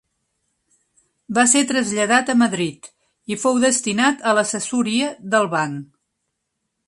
Va ser traslladat a Madrid i fou destinat a l'assessoria del banc.